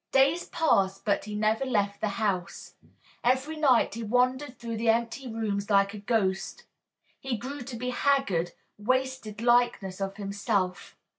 Days passed, but he never left the house; every night he wandered through the empty rooms like a ghost. He grew to be a haggard, wasted likeness of himself.